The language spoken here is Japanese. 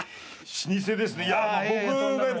老舗ですね。